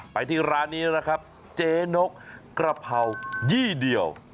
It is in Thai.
ไปที่ร้านนี้นะครับเจ๊นกกระเพรายี่เดียว